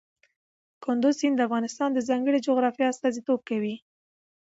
کندز سیند د افغانستان د ځانګړي جغرافیه استازیتوب کوي.